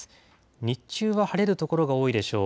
日中は晴れる所が多いでしょう。